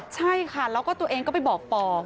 ใช่ค่ะแล้วก็ตัวเองก็ไปบอกปอ